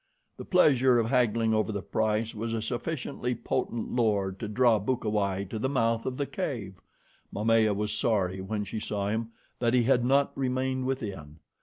The pleasure of haggling over the price was a sufficiently potent lure to draw Bukawai to the mouth of the cave. Momaya was sorry when she saw him that he had not remained within.